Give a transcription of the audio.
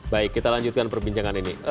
baik kita lanjutkan perbincangan ini